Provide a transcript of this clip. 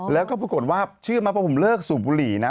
แล้วก็ปรากฏว่าเชื่อมั้ผมเลิกสูบบุหรี่นะ